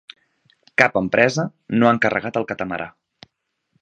Cap empresa no ha encarregat el catamarà.